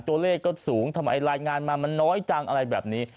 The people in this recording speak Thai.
ตัวเลขก็สูงทำไมรายงานมามันน้อยจังอะไรแบบนี้